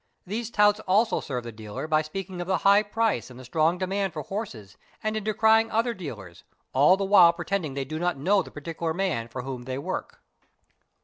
These touts also serve the dealer by speaking of the high price and the strong demand for horses and in decrying other dealers, all the while pretending they do not know the particular man for whom they " work "'.